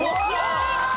お見事。